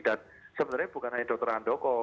dan sebenarnya bukan hanya dr handoko